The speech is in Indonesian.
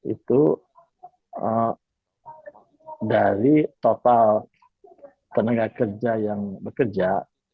itu dari total tenaga kerja yang bekerja